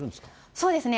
そうですね。